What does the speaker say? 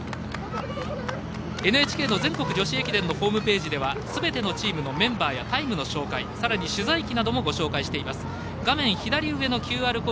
ＮＨＫの全国女子駅伝のホームページではすべてのチームのメンバーやタイムの紹介さらに取材記などもご紹介しています。